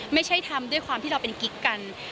ไม่ใช่ทำด้วยความที่เราเป็นกิ๊กกัน